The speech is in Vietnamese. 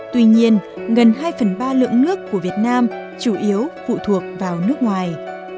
tuy nhiên gần hai phần ba lượng nước của việt nam chủ yếu phụ thuộc vào nước ngoài